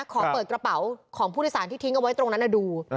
ขอเปิดกระเป๋าของผู้โดยสารที่ทิ้งเอาไว้ตรงนั้นดู